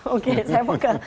oke saya buka